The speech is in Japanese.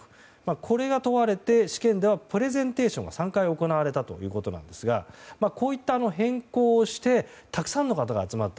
これが問われて試験ではプレゼンテーションが３回行われたということですがこういった変更をしてたくさんの方が集まった。